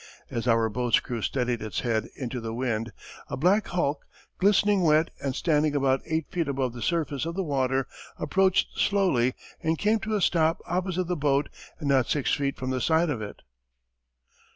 As our boat's crew steadied its head into the wind a black hulk, glistening wet and standing about eight feet above the surface of the water, approached slowly and came to a stop opposite the boat and not six feet from the side of it.